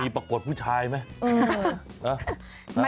มีประกวดผู้ชายไหม